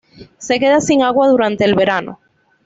Se queda sin agua durante el verano.